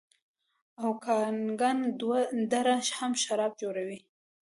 اوکاناګن دره هم شراب جوړوي.